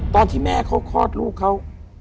ตอนที่แม่เขาคลอดลูกเขา